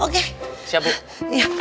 wah siap bu